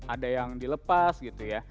ada yang dilepas gitu ya